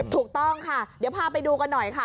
ถูกต้องค่ะเดี๋ยวพาไปดูกันหน่อยค่ะ